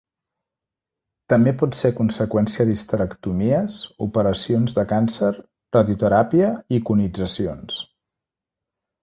També pot ser conseqüència d'histerectomies, operacions de càncer, radioteràpia i conitzacions.